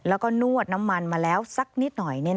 แล้วก็นวดน้ำมันมาแล้วสักนิดหน่อย